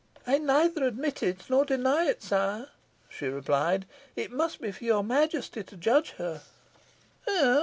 "I neither admit it nor deny it, sire," she replied. "It must be for your Majesty to judge her."